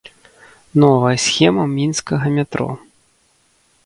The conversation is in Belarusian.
Новая схема мінскага метро.